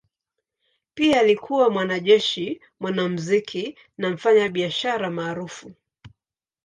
Pia alikuwa mwanajeshi, mwanamuziki na mfanyabiashara maarufu.